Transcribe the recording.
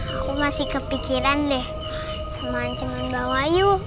aku masih kepikiran deh sama ancaman mbah wahyu